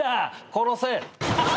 殺せ。